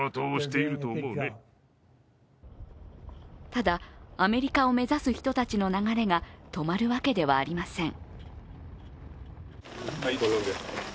ただ、アメリカを目指す人たちの流れが止まるわけではありません。